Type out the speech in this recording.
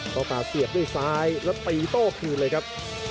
โอกาสเสียบด้วยซ้ายแล้วตีโต้คืนเลยครับ